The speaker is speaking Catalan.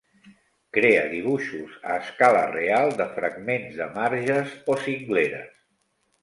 Crea dibuixos, a escala real, de fragments de marges o cingleres.